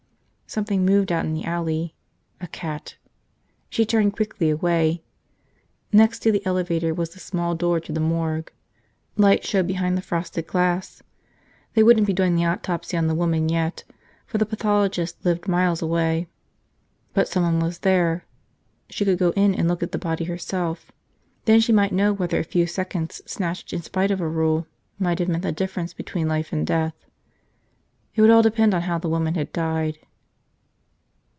Something moved out in the alley. A cat. She turned quickly away. Next to the elevator was the small door to the morgue. Light showed behind the frosted glass. They wouldn't be doing the autopsy on the woman yet, for the pathologist lived miles away. But someone was there. She could go in and look at the body herself. Then she might know whether a few seconds snatched in spite of a rule might have meant the difference between life and death. It would all depend on how the woman had died.